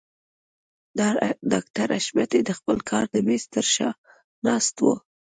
ډاکټر حشمتي د خپل کار د مېز تر شا ناست و.